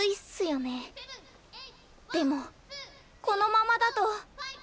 でもこのままだと。